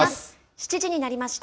７時になりました。